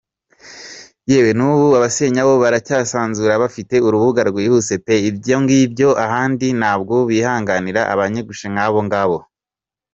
yewe nubu abasenyabo baracasanzura, bafite urubuga rwagutsepe! Ibyongibyo ahandi ntabwo bihanganira abangushyi nkabongabo!